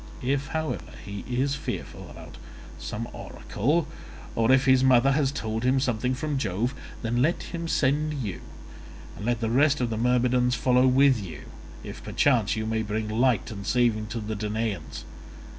If, however, he is fearful about some oracle, or if his mother has told him something from Jove, then let him send you, and let the rest of the Myrmidons follow with you, if perchance you may bring light and saving to the Danaans.